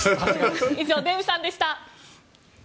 以上、デーブさんでした。